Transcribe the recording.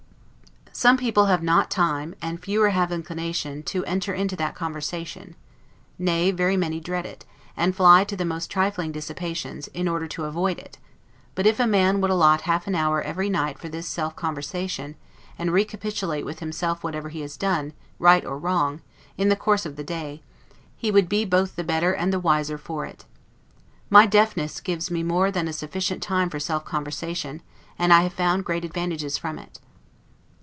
Some people have not time, and fewer have inclination, to enter into that conversation; nay, very many dread it, and fly to the most trifling dissipations, in order to avoid it; but, if a man would allot half an hour every night for this self conversation, and recapitulate with himself whatever he has done, right or wrong, in the course of the day, he would be both the better and the wiser for it. My deafness gives me more than a sufficient time for self conversation; and I have found great advantages from it.